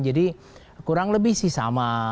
jadi kurang lebih sama